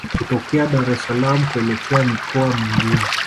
Kutokea Dar es salaam kuelekea mikoa mingine